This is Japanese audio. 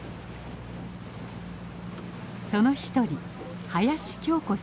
その一人林京子さんです。